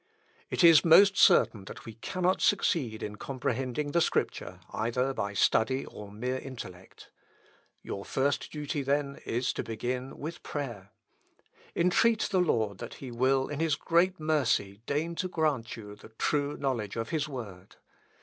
"It is most certain that we cannot succeed in comprehending the Scripture either by study or mere intellect. Your first duty, then, is to begin with prayer. Entreat the Lord that he will in his great mercy deign to grant you the true knowledge of his Word.